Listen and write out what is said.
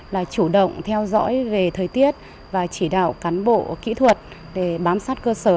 là chủ động theo dõi về thời tiết và chỉ đạo cán bộ kỹ thuật để bám sát cơ sở